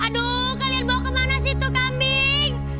aduh kalian bawa kemana sih tuh kambing